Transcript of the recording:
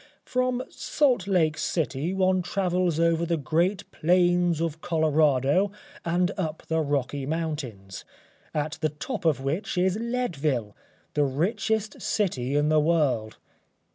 From Salt Lake City one travels over the great plains of Colorado and up the Rocky Mountains, on the top of which is Leadville, the richest city in the world.